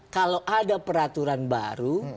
kalau ada peraturan baru